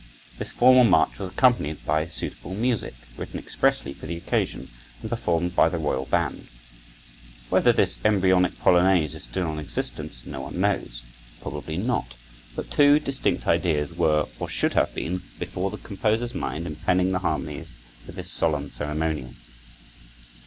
This formal march was accompanied by suitable music, written expressly for the occasion and performed by the royal band. Whether this embryonic polonaise is still in existence, no one knows; probably not; but two distinct ideas were, or should have been, before the composer's mind in penning the harmonies for this solemn ceremonial.